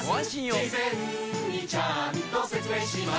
事前にちゃんと説明します